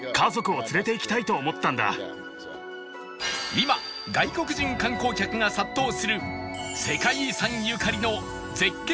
今外国人観光客が殺到する世界遺産ゆかりの絶景開運